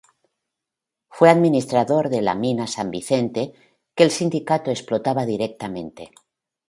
Fue administrador de la mina San Vicente, que el sindicato explotaba directamente.